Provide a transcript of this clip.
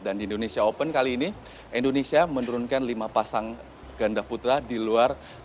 dan di indonesia open kali ini indonesia menurunkan lima pasang ganda putra di luar